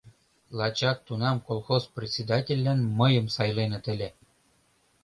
Лачак тунам колхоз председательлан мыйым сайленыт ыле.